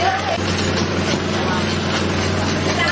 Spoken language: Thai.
อัศวินโกวัฒนา